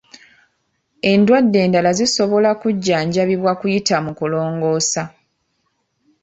Endwadde endala zisobola kujjanjabibwa kuyita mu kulongoosa